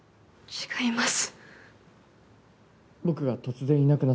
違います。